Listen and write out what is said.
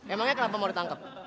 emangnya kenapa mau ditangkep